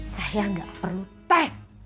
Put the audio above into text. saya gak perlu teh